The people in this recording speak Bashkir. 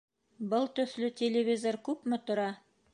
Был төҫлө телевизор күпме тора?